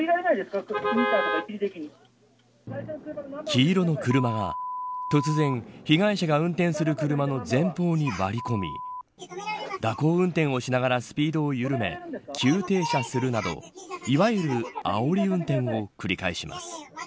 黄色の車は突然、被害者が運転する車の前方に割り込み蛇行運転をしながらスピードを緩め急停車するなどいわゆるあおり運転を繰り返します。